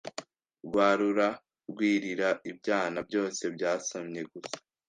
rwarura rwirira, ibyana byose byasamye gusa,